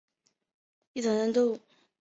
英吉沙战役是新疆战争中的一场战斗。